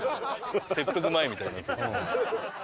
切腹前みたいになってる。